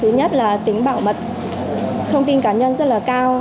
thứ nhất là tính bảo mật thông tin cá nhân rất là cao